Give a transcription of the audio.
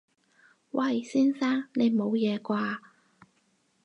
喂！先生！你冇嘢啩？